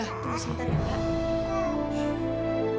tunggu sebentar ya mbak